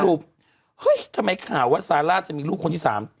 เฮ้ยทำไมข่าวว่าซาร่าจะมีลูกคนที่๓